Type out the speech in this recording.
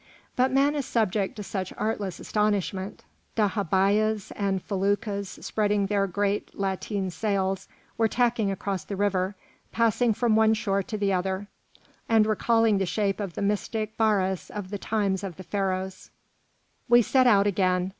But man is subject to such artless astonishment. Dhahabîyehs and felûkas spreading their great lateen sails were tacking across the river, passing from one shore to the other, and recalling the shape of the mystic baris of the times of the Pharaohs. We set out again.